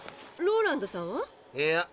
ローランドさんは？いや。